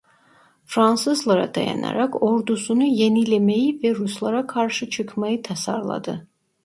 Fransızlara dayanarak ordusunu yenilemeyi ve Ruslara karşı çıkmayı tasarladı.